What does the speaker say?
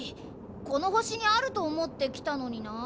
このほしにあるとおもってきたのにな。